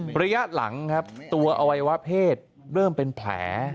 ระยะหลังครับตัวอวัยวะเพศเริ่มเป็นแผล